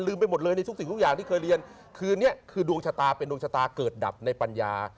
ไปหมดเลยในทุกสิ่งทุกอย่างที่เคยเรียนคืนนี้คือดวงชะตาเป็นดวงชะตาเกิดดับในปัญญา